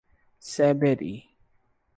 Seberi